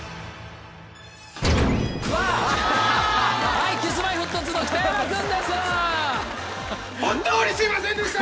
はいＫｉｓ−Ｍｙ−Ｆｔ２の北山君です！